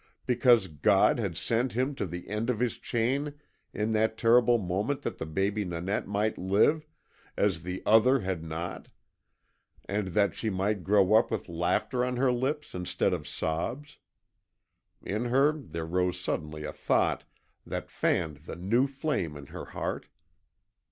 Because God had sent him to the end of his chain in that terrible moment that the baby Nanette might live, as the OTHER had not, and that she might grow up with laughter on her lips instead of sobs? In her there rose suddenly a thought that fanned the new flame in her heart.